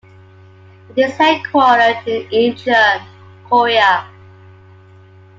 It is headquartered in Incheon, Korea.